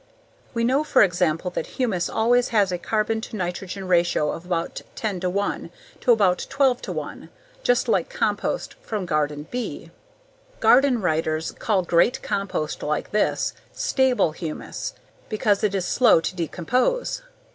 We know for example that humus always has a carbon to nitrogen ratio of from 10:1 to about 12:1, just like compost from Garden "B." Garden writers call great compost like this, "stable humus," because it is slow to decompose.